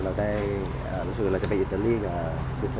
แล้วจะไปอิตาลีกับสวิรุธเทอเรน